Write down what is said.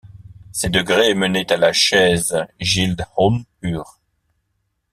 Ces degrés menaient à la chaise Gild-Holm-’Ur.